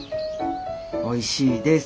おいしいです。